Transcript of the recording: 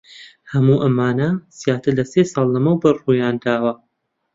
هەموو ئەمانە زیاتر لە سێ ساڵ لەمەوبەر ڕوویان داوە.